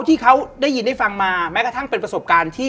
ที่เขาได้ยินได้ฟังมาแม้กระทั่งเป็นประสบการณ์ที่